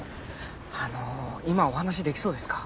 あの今お話できそうですか？